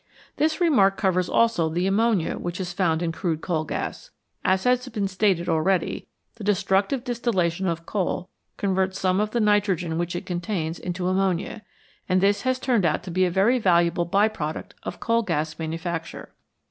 This remark covers also the ammonia which is found in crude coal gas. As has been stated already, the destructive distillation of coal converts some of the nitrogen which it contains into ammonia, and this has turned out to be a very valuable by product of coal gas manufacture.